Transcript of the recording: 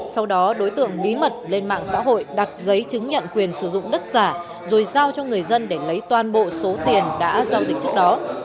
sau đó đối tượng bí mật lên mạng xã hội đặt giấy chứng nhận quyền sử dụng đất giả rồi giao cho người dân để lấy toàn bộ số tiền đã giao dịch trước đó